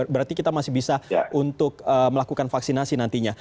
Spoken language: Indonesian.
berarti kita masih bisa untuk melakukan vaksinasi nantinya